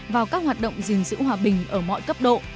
vào các hoạt động gìn giữ hòa bình ở mọi cấp độ